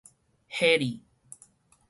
系裡